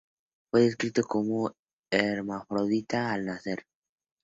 Fue descrito como un hermafrodita al nacer.